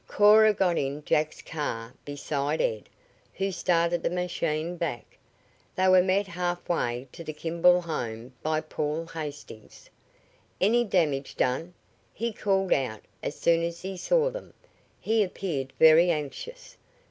Cora got in Jack's car beside Ed, who started the machine back. They were met half way to the Kimball home by Paul Hastings. "Any damage done?" he called out as soon as he saw them. He appeared very anxious.